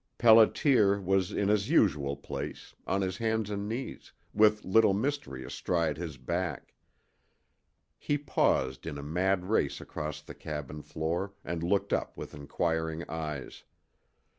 Pelliter was in his usual place on his hands and knees, with Little Mystery astride his back. He paused in a mad race across the cabin floor and looked up with inquiring eyes.